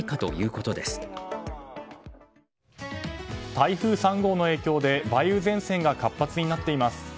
台風３号の影響で梅雨前線が活発になっています。